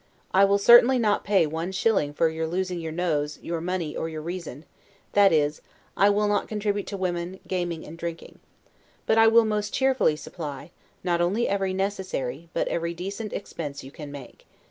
I will certainly not pay one shilling for your losing your nose, your money, or your reason; that is, I will not contribute to women, gaming, and drinking. But I will most cheerfully supply, not only every necessary, but every decent expense you can make.